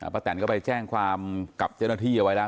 แตนก็ไปแจ้งความกับเจ้าหน้าที่เอาไว้แล้ว